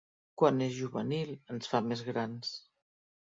Quan és juvenil ens fa més grans.